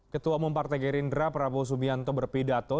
ketua umum partai gerindra prabowo subianto berpidato